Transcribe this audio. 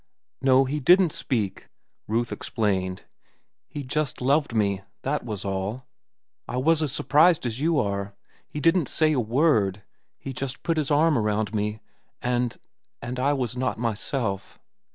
"No, he didn't speak," Ruth explained. "He just loved me, that was all. I was as surprised as you are. He didn't say a word. He just put his arm around me. And—and I was not myself.